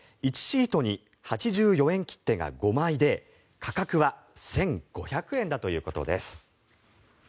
１シートに８４円切手が５枚で価格は１５００円だということです。